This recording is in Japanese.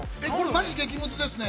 ◆マジ激ムズですね。